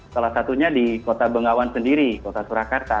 salah satunya di kota bengawan sendiri kota surakarta